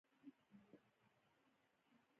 هغوی په خوښ لمر کې پر بل باندې ژمن شول.